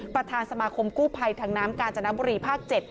ประธานสมาคมกู้ภัยทางน้ำกาญจนบุรีภาค๗